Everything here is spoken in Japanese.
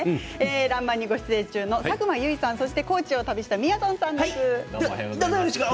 「らんまん」にご出演中の佐久間由衣さん、そして高知を旅したみやぞんさんです。